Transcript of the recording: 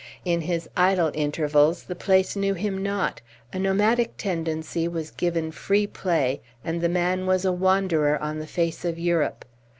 In his idle intervals the place knew him not; a nomadic tendency was given free play, and the man was a wanderer on the face of Europe.